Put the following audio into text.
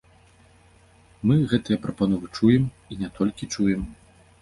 Мы гэтыя прапановы чуем, і не толькі чуем.